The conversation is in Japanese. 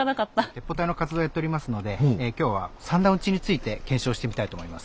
鉄砲隊の活動をやっておりますので今日は三段撃ちについて検証してみたいと思います。